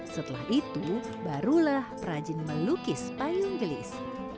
setelah itu barulah perajin melukis payung gelis